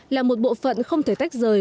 là một bộ phận không thể tách rời